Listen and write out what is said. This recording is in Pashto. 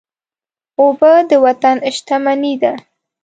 اوبه د وطن شتمني ده.